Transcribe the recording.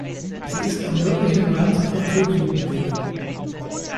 Sie ist am nördlichen Rand von Tokio gelegen.